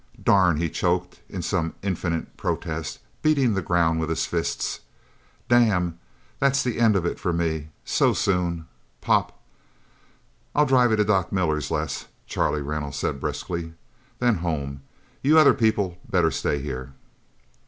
"Darn!" he choked in some infinite protest, beating the ground with his fists. "Damn that's the end of it for me...! So soon... Pop..." "I'll drive you to Doc Miller's, Les," Charlie Reynolds said briskly. "Then home. You other people better stay here..."